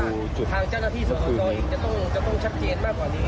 เองจะต้องจะต้องชัดเจนมากกว่านี้